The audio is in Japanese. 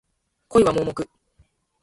恋は盲目